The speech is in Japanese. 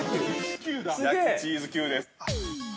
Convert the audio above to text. ◆焼きチーズＱです。